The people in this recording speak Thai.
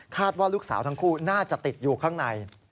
ว่าลูกสาวทั้งคู่น่าจะติดอยู่ข้างใน